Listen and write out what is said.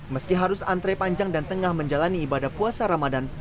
meski harus antre panjang dan tengah menjalani ibadah puasa ramadan